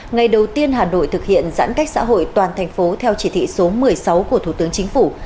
ngày đầu tiên hà nội thực hiện giãn cách xã hội toàn thành phố theo chỉ thị số một mươi sáu của thủ tướng chính phủ